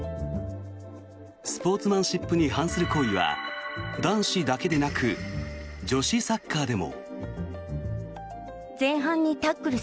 スポーツマンシップに反する行為は男子だけでなく女子サッカーでも。